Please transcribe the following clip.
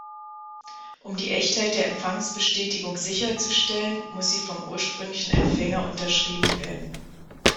Um die Echtheit der Empfangsbestätigung sicherzustellen, muss sie vom ursprünglichen Empfänger unterschrieben werden.